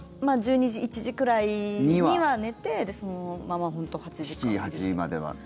１２時、１時くらいには寝て７時、８時までは。